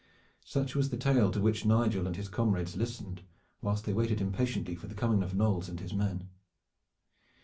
Such was the tale to which Nigel and his comrades listened whilst they waited impatiently for the coming of Knolles and his men.